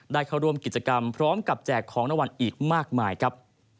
เข้าร่วมกิจกรรมพร้อมกับแจกของรางวัลอีกมากมายครับ